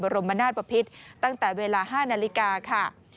รมนาศปภิษตั้งแต่เวลา๕นาฬิกาค่ะ